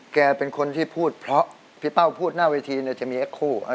แกเป็นคนที่พูดเพราะพี่เป้าพูดหน้าเวทีจะมีแอคคู่